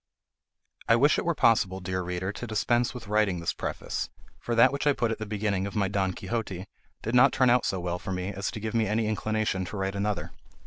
I wish it were possible, dear reader, to dispense with writing this preface; for that which I put at the beginning of my "Don Quixote" did not turn out so well for me as to give me any inclination to write another.